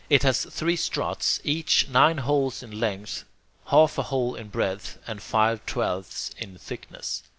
It has three struts, each nine holes in length, half a hole in breadth, and five twelfths in thickness.